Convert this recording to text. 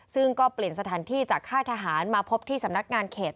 ซึ่งก็เปลี่ยนสถานที่จากค่ายทหารมาพบที่สำนักงานเขต